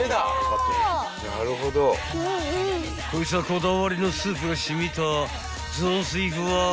［こいつぁこだわりのスープが染みた］